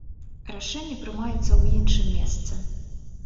Рашэнні прымаюцца ў іншым месцы.